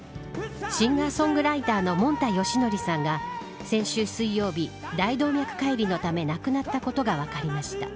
シンガーソングライターのもんたよしのりさんが先週水曜日大動脈解離のため亡くなったことが分かりました。